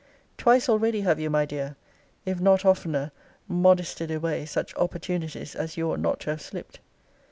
Twice already have you, my dear, if not oftener modesty'd away such opportunities as you ought not to have slipped.